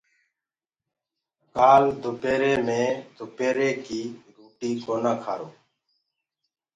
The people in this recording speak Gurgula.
ڪآل دُپيري مي دُپري ڪي روٽي ڪونآ کآرو۔